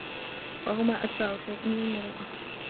وَهُمَا أَدْفَعُ شَيْءٍ لِلْمُرُوءَةِ